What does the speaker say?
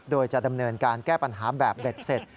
โดยจะดำเนินการแก้ปัญหาแบบเบ็ดเสร็จ